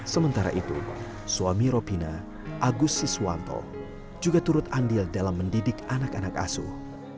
sementara itu suami ropina agus siswanto juga turut andil dalam mendidik anak anak asuh